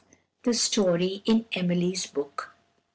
The Story in Emily's Book.